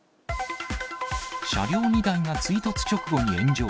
車両２台が追突直後に炎上。